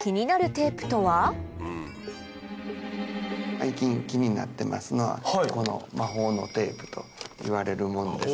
最近気になってますのはこの魔法のテープといわれるもんです。